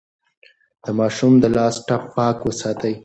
د ماشوم د لاس ټپ پاک وساتئ.